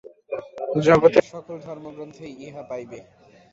জগতের সকল ধর্মগ্রন্থেই ইহা পাইবে।